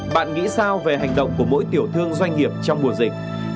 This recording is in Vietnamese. bạn nghĩ sao về hành động của mỗi tiểu thương doanh nghiệp trong mùa dịch